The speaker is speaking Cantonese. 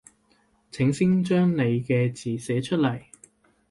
請先將你嘅字寫出來